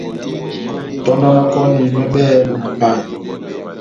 Tɔndonokɔni nywɛ bɛhɛpi bona paya.